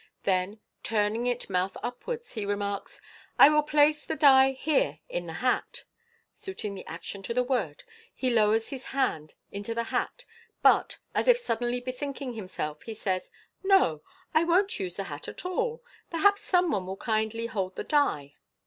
Then, turning it mouth upwards, he remarks, " I will place the die here in the hat." Suiting the action to the word, he lowers his hand into the hat, but, as if suddenly bethinking himself, he says, " No ! I won't use the hat at all. Perhaps some one will kindly hold the die."